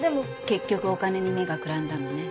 結局お金に目がくらんだのね。